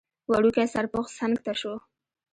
وړوکی سرپوښ څنګ ته شو.